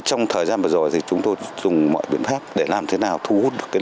trong thời gian vừa rồi chúng tôi dùng mọi biện pháp để làm thế nào thu hút lực lượng